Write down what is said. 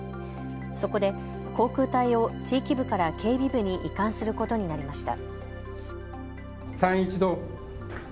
そこで航空隊を地域部から警備部に移管することになりました。